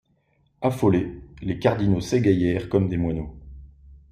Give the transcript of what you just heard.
Affolés, les cardinaux s’égaillèrent comme des moineaux.